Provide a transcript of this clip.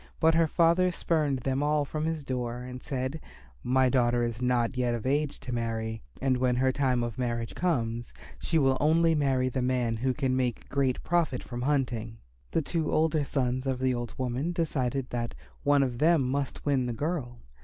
But her father spurned them all from his door and said, "My daughter is not yet of age to marry; and when her time of marriage comes, she will only marry the man who can make great profit from hunting." The two older sons of the old woman decided that one of them must win the girl.